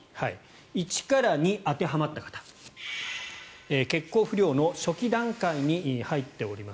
１から２、当てはまった方血行不良の初期段階に入っております。